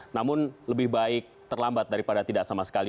namun lebih baik terlambat daripada tidak sama sekali